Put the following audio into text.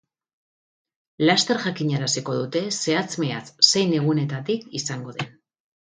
Laster jakinaraziko dute, zehatz-mehatz, zein egunetatik izango den.